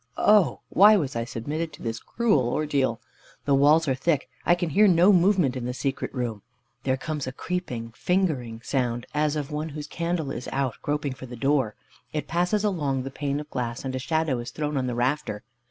Oh! why was I submitted to this cruel ordeal? The walls are thick. I can hear no movement in the secret room. There comes a creeping, fingering, sound, as of one whose candle is out, groping for the door. It passes along the pane of glass, and a shadow is thrown on the rafter.